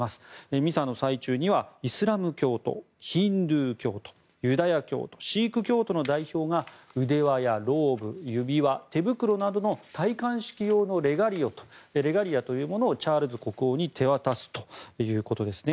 ミサの最中にはイスラム教徒ヒンドゥー教徒ユダヤ教徒、シーク教徒の代表が腕輪やローブ、指輪手袋のなどの戴冠式用のレガリアというものをチャールズ国王に手渡すということですね。